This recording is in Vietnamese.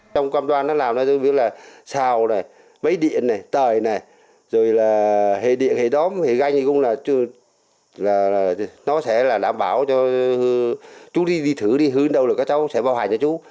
trong công toàn nó làm ra như là sao này mấy điện này tời này rồi là hệ điện hệ đóm hệ ganh thì cũng là nó sẽ là đảm bảo cho chú đi thử đi hư đâu rồi các cháu sẽ bảo hành cho chú